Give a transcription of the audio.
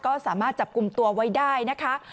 ก็สามารถจับกลุ่มตัวไว้ได้นะคะ